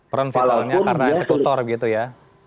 peran vitalnya karena eksekutor gitu ya